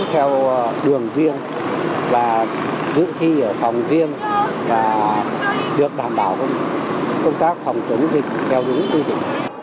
theo đường riêng và dự thi ở phòng riêng và được đảm bảo công tác phòng chống dịch theo đúng quy định